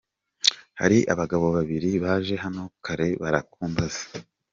Hari abagabo babiri baje hano kare barakumbaza.